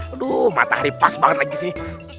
aduh matahari pas banget lagi sih